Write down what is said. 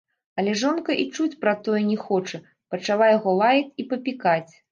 Але жонка і чуць пра тое не хоча, пачала яго лаяць і папікаць